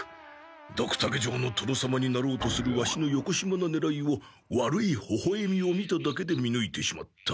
ドクタケ城の殿様になろうとするワシのよこしまなねらいを悪いほほえみを見ただけでみぬいてしまった。